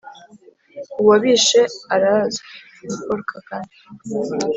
uwabishe arazwi: ni paul kagame.